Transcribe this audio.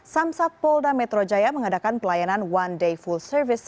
samsat polda metro jaya mengadakan pelayanan one day full service